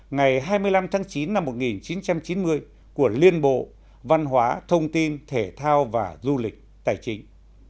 ngày hai mươi năm tháng chín năm một nghìn chín trăm chín mươi của liên bộ văn hóa thông tin thể thao và du lịch tài chính